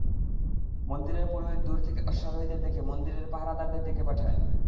মন্দিরের পুরোহিত দূর থেকে অশ্বারোহীদের দেখে মন্দিরের পাহারাদারদের ডেকে পাঠায়।